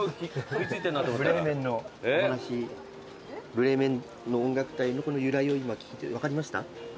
『ブレーメンのおんがくたい』の由来を聞いて分かりました？